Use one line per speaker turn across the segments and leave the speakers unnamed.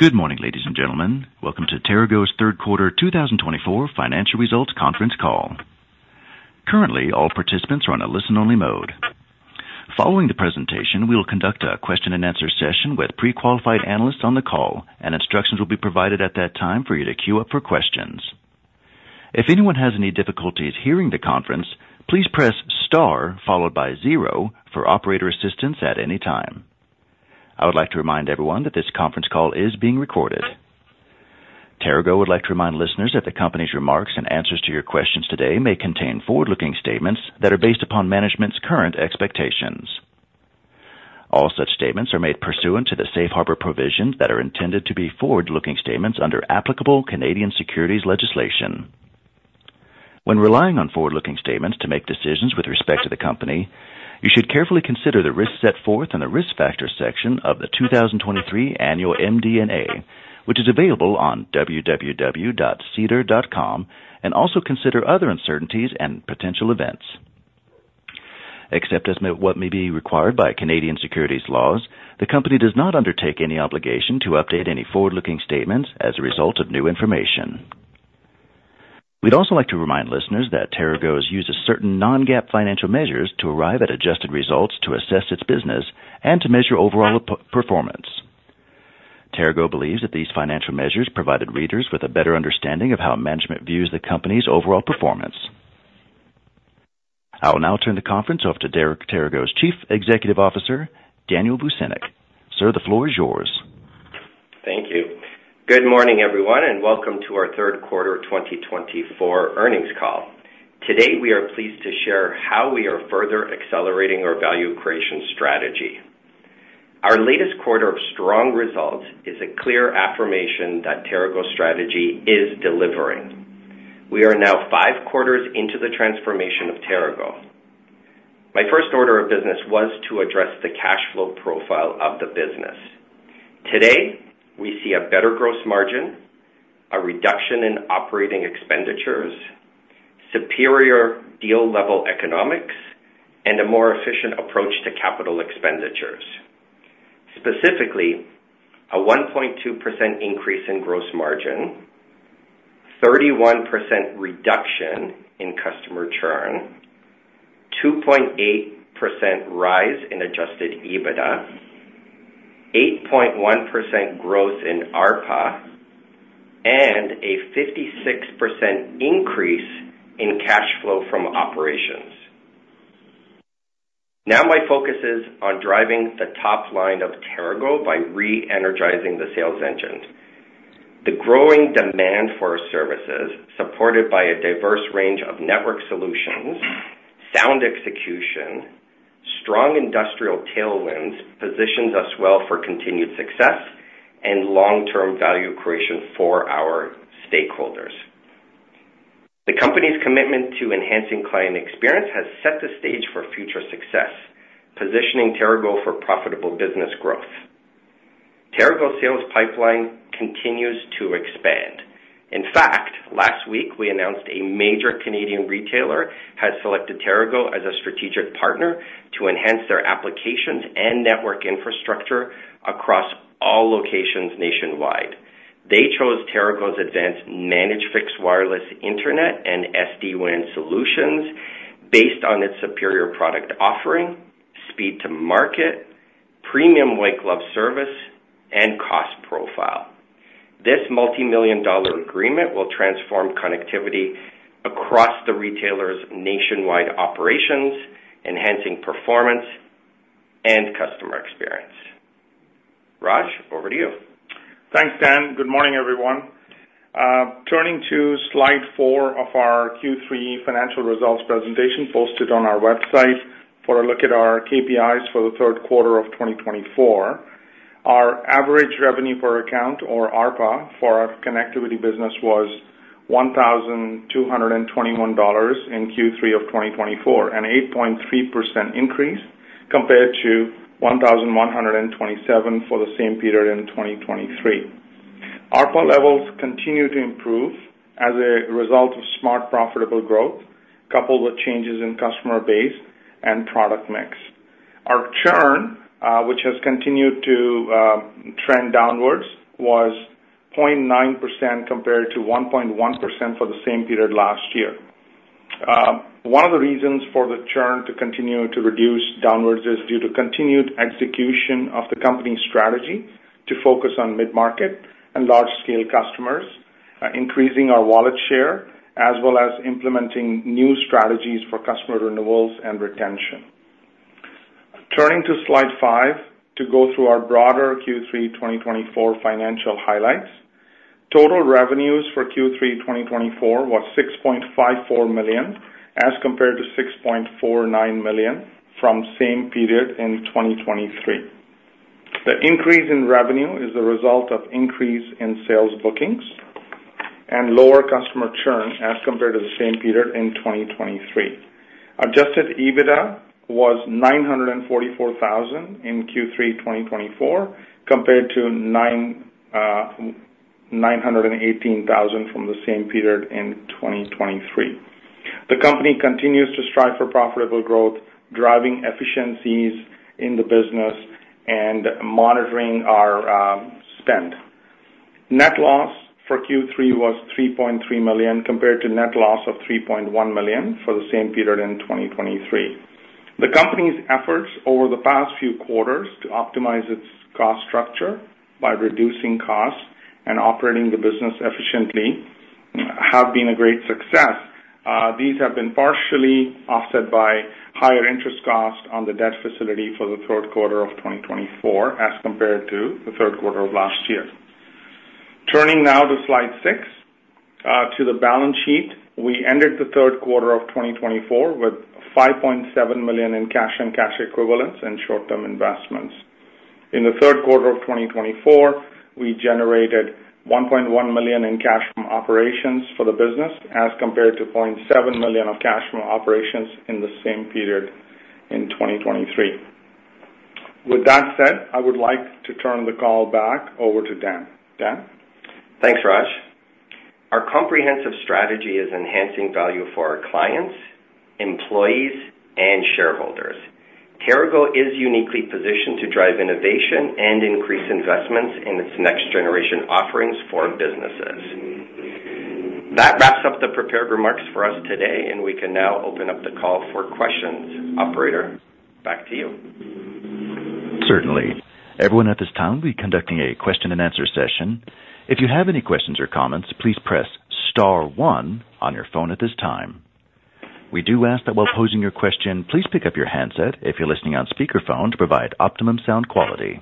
Good morning, ladies and gentlemen. Welcome to TeraGo's Third Quarter 2024 Financial Results Conference call. Currently, all participants are on a listen-only mode. Following the presentation, we will conduct a question-and-answer session with pre-qualified analysts on the call, and instructions will be provided at that time for you to queue up for questions. If anyone has any difficulties hearing the conference, please press star followed by zero for operator assistance at any time. I would like to remind everyone that this conference call is being recorded. TeraGo would like to remind listeners that the company's remarks and answers to your questions today may contain forward-looking statements that are based upon management's current expectations. All such statements are made pursuant to the safe harbor provisions that are intended to be forward-looking statements under applicable Canadian securities legislation. When relying on forward-looking statements to make decisions with respect to the company, you should carefully consider the risk set forth in the risk factor section of the 2023 annual MD&A, which is available on www.sedar.com, and also consider other uncertainties and potential events. Except as to what may be required by Canadian securities laws, the company does not undertake any obligation to update any forward-looking statements as a result of new information. We'd also like to remind listeners that TeraGo's uses certain non-GAAP financial measures to arrive at adjusted results to assess its business and to measure overall performance. TeraGo believes that these financial measures provide readers with a better understanding of how management views the company's overall performance. I will now turn the conference over to TeraGo's Chief Executive Officer, Daniel Vucinic. Sir, the floor is yours.
Thank you. Good morning, everyone, and welcome to our Third Quarter 2024 earnings call. Today, we are pleased to share how we are further accelerating our value creation strategy. Our latest quarter of strong results is a clear affirmation that TeraGo's strategy is delivering. We are now five quarters into the transformation of TeraGo. My first order of business was to address the cash flow profile of the business. Today, we see a better gross margin, a reduction in operating expenditures, superior deal-level economics, and a more efficient approach to capital expenditures. Specifically, a 1.2% increase in gross margin, a 31% reduction in customer churn, a 2.8% rise in Adjusted EBITDA, an 8.1% growth in ARPA, and a 56% increase in cash flow from operations. Now, my focus is on driving the top line of TeraGo by re-energizing the sales engine. The growing demand for our services, supported by a diverse range of network solutions, sound execution, and strong industrial tailwinds, positions us well for continued success and long-term value creation for our stakeholders. The company's commitment to enhancing client experience has set the stage for future success, positioning TeraGo for profitable business growth. TeraGo's sales pipeline continues to expand. In fact, last week, we announced a major Canadian retailer has selected TeraGo as a strategic partner to enhance their applications and network infrastructure across all locations nationwide. They chose TeraGo's advanced Managed Fixed Wireless Internet and SD-WAN solutions based on its superior product offering, speed to market, premium white-glove service, and cost profile. This multi-million-dollar agreement will transform connectivity across the retailer's nationwide operations, enhancing performance and customer experience. Raj, over to you.
Thanks, Dan. Good morning, everyone. Turning to slide four of our Q3 financial results presentation posted on our website for a look at our KPIs for the third quarter of 2024, our average revenue per account, or ARPA, for our connectivity business was 1,221 dollars in Q3 of 2024, an 8.3% increase compared to 1,127 for the same period in 2023. ARPA levels continue to improve as a result of smart profitable growth, coupled with changes in customer base and product mix. Our churn, which has continued to trend downwards, was 0.9% compared to 1.1% for the same period last year. One of the reasons for the churn to continue to reduce downwards is due to continued execution of the company's strategy to focus on mid-market and large-scale customers, increasing our wallet share, as well as implementing new strategies for customer renewals and retention. Turning to slide five to go through our broader Q3 2024 financial highlights, total revenues for Q3 2024 was 6.54 million as compared to 6.49 million from the same period in 2023. The increase in revenue is the result of an increase in sales bookings and lower customer churn as compared to the same period in 2023. Adjusted EBITDA was 944,000 in Q3 2024 compared to 918,000 from the same period in 2023. The company continues to strive for profitable growth, driving efficiencies in the business and monitoring our spend. Net loss for Q3 was 3.3 million compared to net loss of 3.1 million for the same period in 2023. The company's efforts over the past few quarters to optimize its cost structure by reducing costs and operating the business efficiently have been a great success. These have been partially offset by higher interest costs on the debt facility for the third quarter of 2024 as compared to the third quarter of last year. Turning now to slide six, to the balance sheet, we ended the third quarter of 2024 with 5.7 million in cash and cash equivalents and short-term investments. In the third quarter of 2024, we generated 1.1 million in cash from operations for the business as compared to 0.7 million of cash from operations in the same period in 2023. With that said, I would like to turn the call back over to Dan. Dan.
Thanks, Raj. Our comprehensive strategy is enhancing value for our clients, employees, and shareholders. TeraGo is uniquely positioned to drive innovation and increase investments in its next-generation offerings for businesses. That wraps up the prepared remarks for us today, and we can now open up the call for questions. Operator, back to you.
Certainly. Everyone, at this time, we'll be conducting a question-and-answer session. If you have any questions or comments, please press star one on your phone at this time. We do ask that while posing your question, please pick up your handset if you're listening on speakerphone to provide optimum sound quality.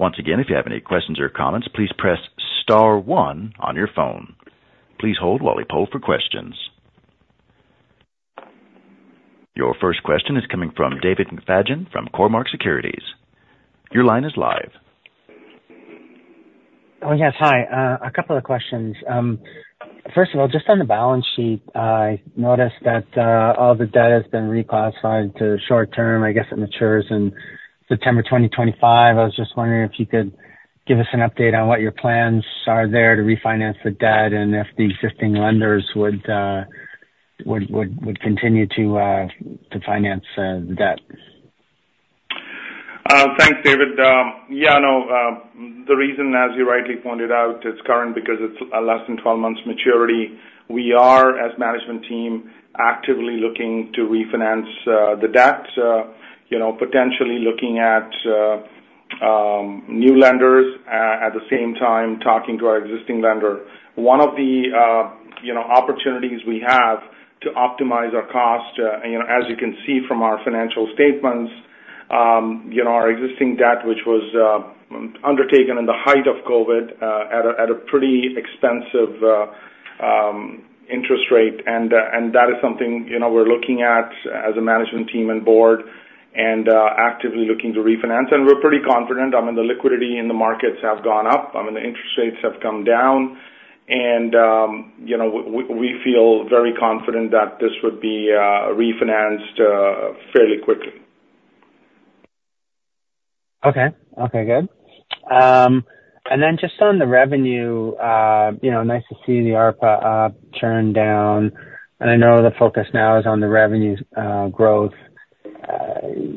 Once again, if you have any questions or comments, please press star one on your phone. Please hold while we poll for questions. Your first question is coming from David McFadgen from Cormark Securities. Your line is live.
Oh, yes. Hi. A couple of questions. First of all, just on the balance sheet, I noticed that all the debt has been reclassified to short-term. I guess it matures in September 2025. I was just wondering if you could give us an update on what your plans are there to refinance the debt and if the existing lenders would continue to finance the debt?
Thanks, David. Yeah, no, the reason, as you rightly pointed out, it's current because it's less than 12 months maturity. We are, as a management team, actively looking to refinance the debt, potentially looking at new lenders at the same time talking to our existing lender. One of the opportunities we have to optimize our cost, as you can see from our financial statements, our existing debt, which was undertaken in the height of COVID at a pretty expensive interest rate. That is something we're looking at as a management team and board and actively looking to refinance. We're pretty confident. I mean, the liquidity in the markets has gone up. I mean, the interest rates have come down. We feel very confident that this would be refinanced fairly quickly.
Okay. Good. And then just on the revenue, nice to see the ARPA churn down. And I know the focus now is on the revenue growth.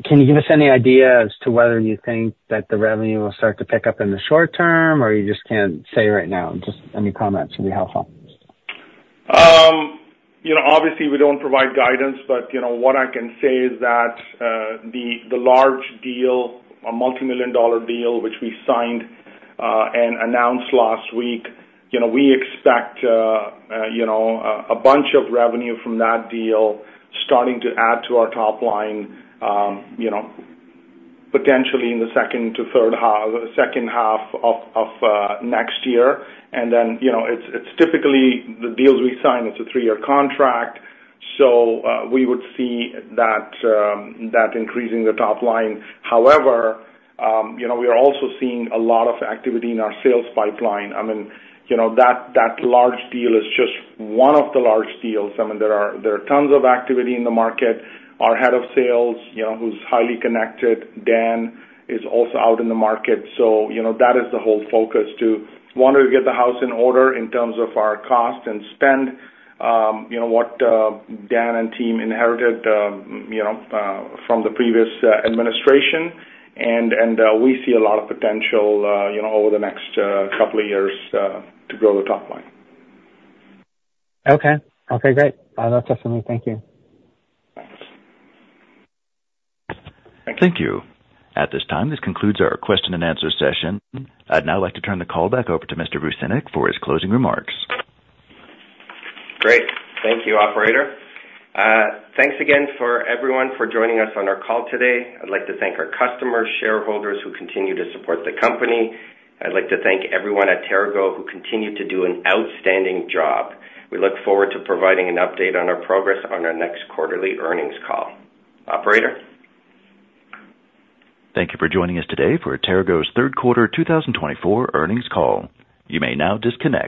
Can you give us any idea as to whether you think that the revenue will start to pick up in the short term, or you just can't say right now? Just any comments would be helpful.
Obviously, we don't provide guidance, but what I can say is that the large deal, a multi-million dollar deal, which we signed and announced last week, we expect a bunch of revenue from that deal starting to add to our top line potentially in the second to third half of next year. Then it's typically the deals we sign. It's a three-year contract. So we would see that increasing the top line. However, we are also seeing a lot of activity in our sales pipeline. I mean, that large deal is just one of the large deals. I mean, there are tons of activity in the market. Our head of sales, who's highly connected, Dan is also out in the market. So that is the whole focus to want to get the house in order in terms of our cost and spend, what Dan and team inherited from the previous administration. And we see a lot of potential over the next couple of years to grow the top line.
Okay. Okay. Great. That's all for me. Thank you.
Thanks. Thank you.
Thank you. At this time, this concludes our question-and-answer session. I'd now like to turn the call back over to Mr. Vucinic for his closing remarks.
Great. Thank you, Operator. Thanks again for everyone for joining us on our call today. I'd like to thank our customers, shareholders who continue to support the company. I'd like to thank everyone at TeraGo who continued to do an outstanding job. We look forward to providing an update on our progress on our next quarterly earnings call. Operator.
Thank you for joining us today for TeraGo's Third Quarter 2024 earnings call. You may now disconnect.